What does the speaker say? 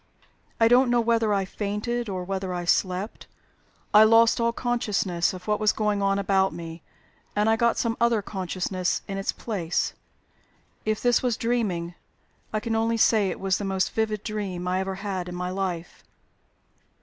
I don't know whether I fainted or whether I slept; I lost all consciousness of what was going on about me, and I got some other consciousness in its place. If this was dreaming, I can only say it was the most vivid dream I ever had in my life."